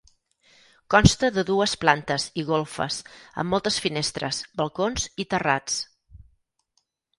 Consta de dues plantes i golfes, amb moltes finestres, balcons i terrats.